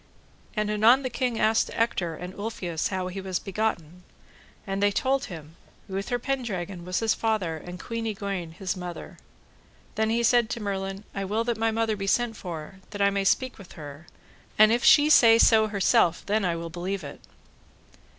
And anon the king asked Ector and Ulfius how he was begotten, and they told him Uther Pendragon was his father and Queen Igraine his mother. Then he said to Merlin, I will that my mother be sent for that I may speak with her; and if she say so herself then will I believe it.